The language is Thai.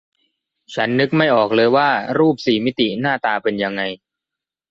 ฉันนึกไม่ออกเลยว่ารูปสี่มิติหน้าตาเป็นยังไง